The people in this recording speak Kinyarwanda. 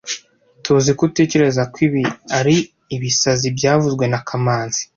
Tuziko utekereza ko ibi ari ibisazi byavuzwe na kamanzi